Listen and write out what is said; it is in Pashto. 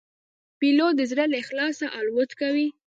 پیلوټ د زړه له اخلاصه الوت کوي.